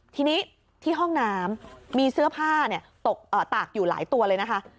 ทีนี้ที่ห้องน้ำมีเสื้อผ้าตากอยู่หลายตัวเลยนะคะ